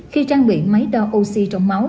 khi trang bị máy đo oxy trong máu